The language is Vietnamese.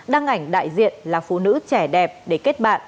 đăng ảnh đại diện là phụ nữ trẻ đẹp để kết bạn